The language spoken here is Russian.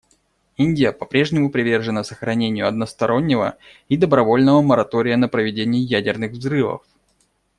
Индия по-прежнему привержена сохранению одностороннего и добровольного моратория на проведение ядерных взрывов.